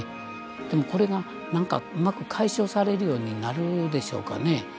でもこれがなんかうまく解消されるようになるでしょうかね？